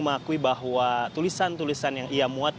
mengakui bahwa tulisan tulisan yang ia muat